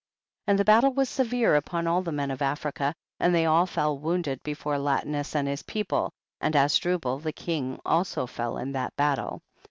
13. And the battle was severe up on all the men of Africa, and they all fell wounded before Latinus and his people, and Azdrubal the king also fell in that battle.